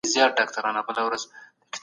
د ښځو چارو کمېسیون ولي مهم دی؟